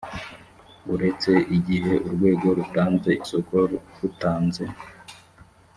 uretse igihe urwego rutanze isoko rutanze